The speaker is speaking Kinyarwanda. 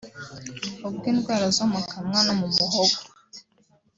ubw’indwara zo mu kanwa no mu muhogo